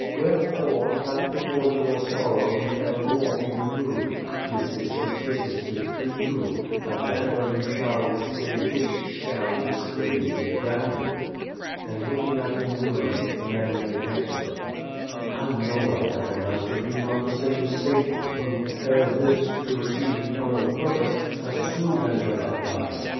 " Wherefore, that the cause of your sorrow may evermore be removed, this is His Christ mas gift to you that whatever you shall this day wish shall, this day, be granted." And looking at him wearily, the man made answer : "How know I that your master be not the same Satan who, ere this, to achieve infernal purpose, has assumed angelic guise